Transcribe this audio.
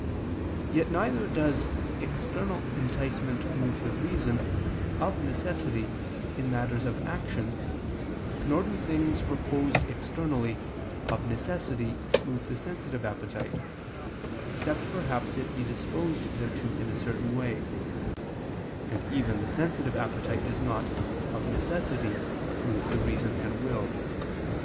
Yet neither does external enticement move the reason, of necessity, in matters of action, nor do things proposed externally, of necessity move the sensitive appetite, except perhaps it be disposed thereto in a certain way; and even the sensitive appetite does not, of necessity, move the reason and will.